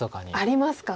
ありますか。